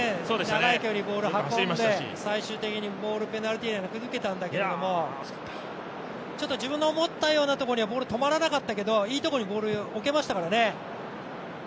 長い距離ボール運んで、最終的にゴール、ペナルティーエリアに抜けたんだけど自分の思ったようなところには止まらなかったけど、いいところにボール置けましたからね。